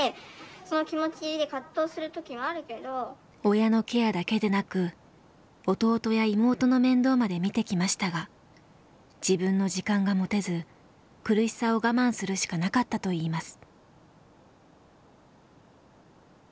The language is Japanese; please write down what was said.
親のケアだけでなく弟や妹の面倒まで見てきましたが自分の時間が持てず苦しさを我慢するしかなかったといいます。